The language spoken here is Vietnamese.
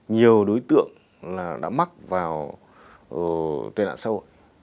nhiều đối tượng đã mắc vào tên ạ sâu